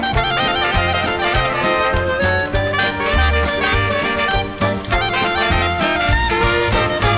โปรดติดตามต่อไป